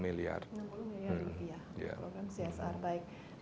enam puluh miliar rupiah program csr baik